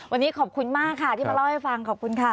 วันนี้ขอบคุณมากค่ะที่มาเล่าให้ฟังขอบคุณค่ะ